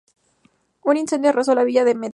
Un incendio arrasó la Villa de Mt.